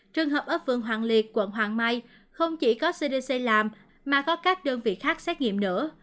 trường hợp ở phường hoàng liệt quận hoàng mai không chỉ có cdc làm mà có các đơn vị khác xét nghiệm nữa